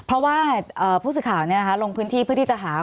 เพราะว่าภูติข่าวนี้นะคะลงพื้นที่เพื่อที่จะหา